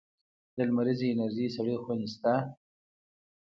د لمریزې انرژۍ سړې خونې شته؟